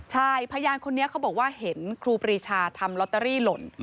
ใช่พยานคนนี้เขาบอกว่าเห็นครูปรีชาทำลอตเตอรี่หล่น